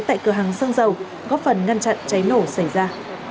tại cửa hàng xăng dầu góp phần ngăn chặn cháy nổ xảy ra